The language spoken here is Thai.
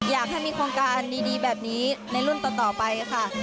อยากให้มีโครงการดีแบบนี้ในรุ่นต่อไปค่ะ